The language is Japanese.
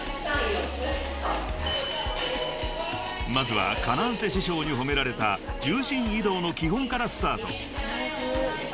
［まずはＫａｎａｎｃＥ師匠に褒められた重心移動の基本からスタート］